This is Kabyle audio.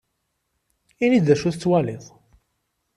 Ini-d d acu tettwaliḍ.